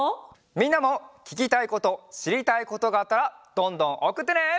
みんなもききたいことしりたいことがあったらどんどんおくってね！